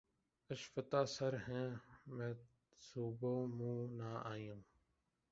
آشفتہ سر ہیں محتسبو منہ نہ آئیو